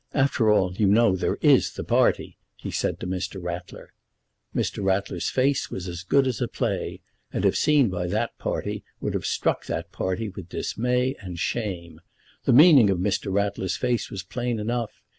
"After all, you know, there is the party," he said to Mr. Ratler. Mr. Ratler's face was as good as a play, and if seen by that party would have struck that party with dismay and shame. The meaning of Mr. Ratler's face was plain enough.